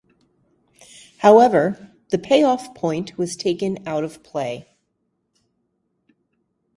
However, the payoff point was taken out of play.